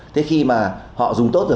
thế khi mà họ dùng tốt rồi